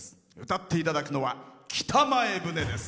歌っていただくのは「北前船」です。